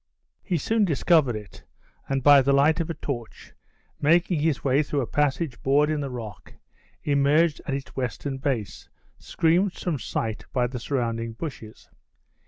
He soon discovered it; and by the light of a torch, making his way through a passage bored in the rock, emerged at its western base, screened from sight by the surrounding bushes.